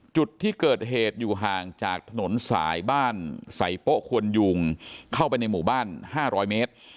จุดที่เกิดเหตุอยู่ห่างจากถนนสายบ้านใส่โป๊คควรยุงเข้าไปในหมู่บ้าน๕๐๐เมตร